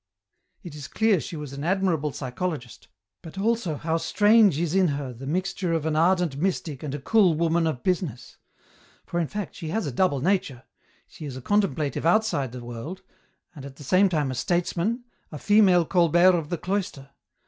" It is clear she was an admirable psychologist, but also how strange is in her the mixture of an ardent mystic and a cool woman of business. For, in fact, she has a double nature ; she is a contemplative outside the world, and at the same time a statesman, a female Colbert of the cloister.